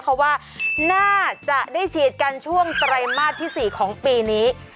เพราะว่าน่าจะได้ฉีดกันช่วงไตรมาสที่๔ของปีนี้